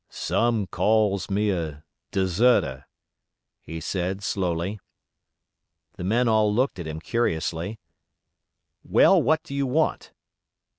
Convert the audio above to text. "Some calls me a d'serter," he said, slowly. The men all looked at him curiously. "Well, what do you want?"